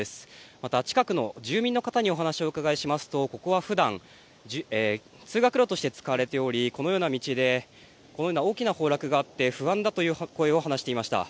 また近くの住民の方にお話をお伺いしますとここは普段通学路として使われておりこのような道で大きな崩落があって不安だという声を話していました。